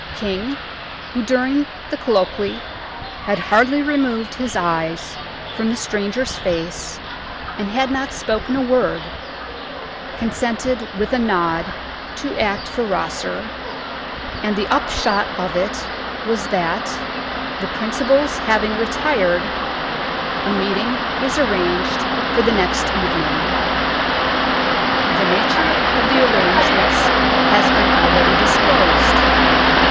King, who during the colloquy had hardly removed his eyes from the stranger's face and had not spoken a word, consented with a nod to act for Rosser, and the upshot of it was that, the principals having retired, a meeting was arranged for the next evening. The nature of the arrangements has been already disclosed.